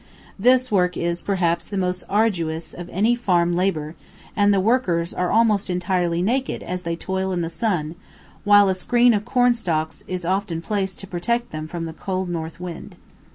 This work is, perhaps, the most arduous of any farm labour, and the workers are almost entirely naked as they toil in the sun, while a screen of cornstalks is often placed to protect them from the cold north wind.